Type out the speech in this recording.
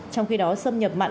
trong khi đó xâm nhập mặn